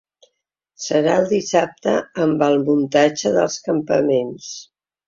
Serà el dissabte amb el muntatge dels campaments.